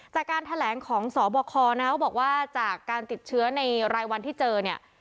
จากการแถลงของสบคนะเขาบอกว่าจากการติดเชื้อในรายวันที่เจอเนี่ย